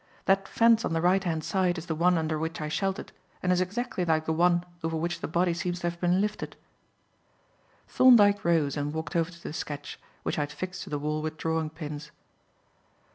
That fence on the right hand side is the one under which I sheltered and is exactly like the one over which the body seems to have been lifted." Thorndyke rose and walked over to the sketch, which I had fixed to the wall with drawing pins.